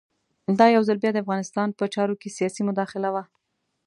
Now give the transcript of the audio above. دا یو ځل بیا د افغانستان په چارو کې سیاسي مداخله وه.